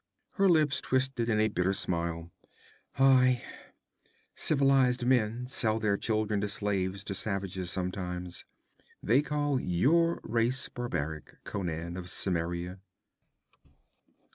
Her lips twisted in a bitter smile. 'Aye, civilized men sell their children as slaves to savages, sometimes. They call your race barbaric, Conan of Cimmeria.'